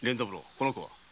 この子は？